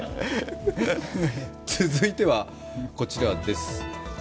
続いてはこちらです。